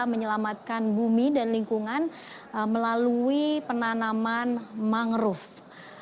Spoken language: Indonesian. menyelamatkan bumi dan lingkungan melalui penanaman mangrove